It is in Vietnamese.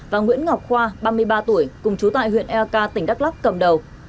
và nguyễn ngọc khoa ba mươi ba tuổi cùng trú tại huyện lk tỉnh đắk lắc cầm đầu